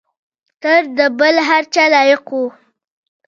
تر بل هر چا لایق وو.